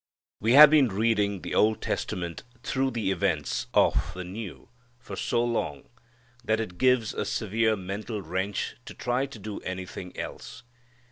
We have been reading the Old Testament through the events of the New for so long that it gives a severe mental wrench to try to do anything else.